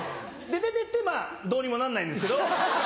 で出てってまぁどうにもなんないんですけど。